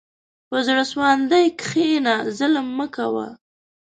په زړه سواندي کښېنه، ظلم مه کوه.